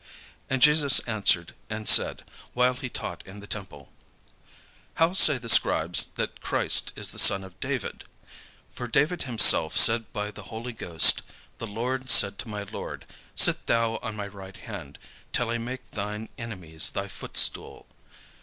And Jesus answered and said, while he taught in the temple: "How say the scribes that Christ is the son of David? For David himself said by the Holy Ghost, 'The Lord said to my Lord, "Sit thou on my right hand, till I make thine enemies thy footstool."'